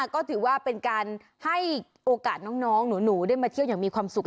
ก็ถือว่าเป็นการให้โอกาสน้องหนูได้มาเที่ยวอย่างมีความสุข